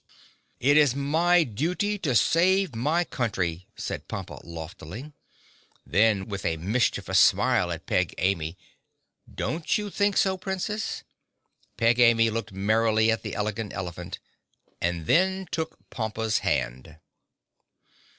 "It is my duty to save my country," said Pompa loftily. Then, with a mischievous smile at Peg Amy, "Don't you think so, Princess?" Peg Amy looked merrily at the Elegant Elephant and then took Pompa's hand.